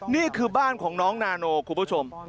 นี่คือบ้านของน้องนาโนคุณผู้ชม